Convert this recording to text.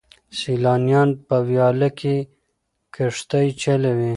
سیلانیان په ویاله کې کښتۍ چلوي.